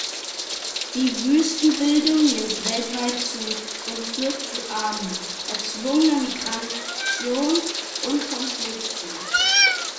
Die Wüstenbildung nimmt weltweit zu und führt zu Armut, erzwungener Migration und Konflikten.